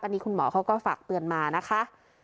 อันนี้คุณหมอเขาก็ฝากเตือนมานะคะ